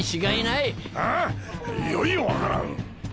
いよいよ分からん！